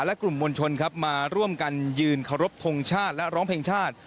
และกลุ่มมวลชนครับมาร่วมกันยืนเคารพทงชาติและร้องเพลงชาติ